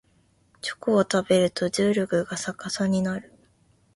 チョコを食べると重力が逆さになる